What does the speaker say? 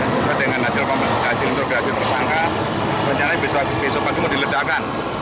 sesuai dengan hasil hasil pertangkap rencananya besok pagi mau diledakkan